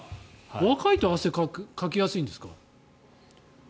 若いと汗をかきやすいんですか？